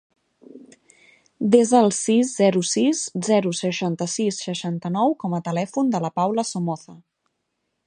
Desa el sis, zero, sis, zero, seixanta-sis, seixanta-nou com a telèfon de la Paula Somoza.